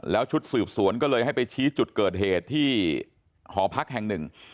แล้วชุดสืบสวนก็เลยให้ไปชี้จุดเกิดเหตุที่หอพักแห่งหนึ่ง